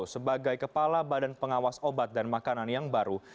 sebagai kepala badan pengawas obat dan makanan yang baru